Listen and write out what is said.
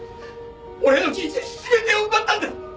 俺の人生全てを奪ったんだ！